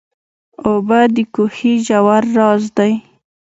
اوبه د کوهي ژور راز دي.